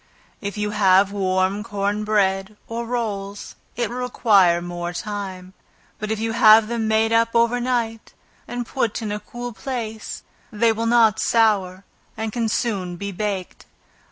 If you have warm corn bread, or rolls, it will require more time; but if you have them made up over night, and put in a cool place, they will not sour, and can soon be baked.